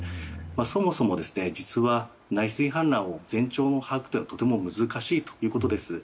そもそも、実は内水氾濫は前兆の把握がとても難しいということです。